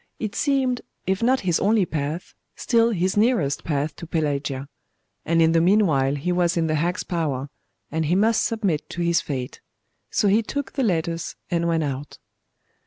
It seemed, if not his only path, still his nearest path to Pelagia; and in the meanwhile he was in the hag's power, and he must submit to his fate; so he took the letters and went out.